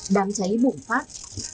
đám cháy bụng phát